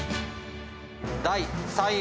第３位は。